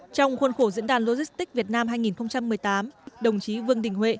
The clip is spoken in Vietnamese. trong khuôn khổ diễn đàn logistics việt nam hai nghìn một mươi tám đồng chí vương đình huệ